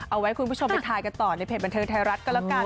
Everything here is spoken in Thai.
เอาไว้คุณผู้ชมไปทายกันต่อในเพจบันเทิงไทยรัฐก็แล้วกัน